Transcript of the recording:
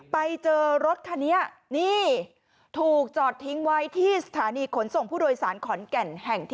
ไปเจอรถคันนี้นี่ถูกจอดทิ้งไว้ที่สถานีขนส่งผู้โดยสารขอนแก่นแห่งที่๑